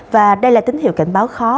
và đây là tín hiệu cảnh báo khó